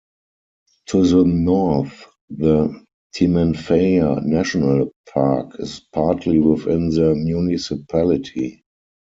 To the north the Timanfaya National Park is partly within the municipality.